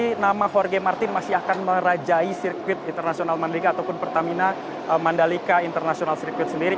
ini nama jorge martin masih akan merajai sirkuit internasional mandalika ataupun pertamina mandalika international circuit sendiri